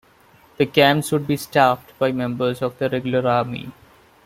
The camps would be staffed by members of the regular army.